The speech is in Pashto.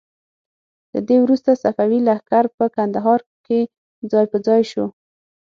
له دې وروسته صفوي لښکر په کندهار کې ځای په ځای شو.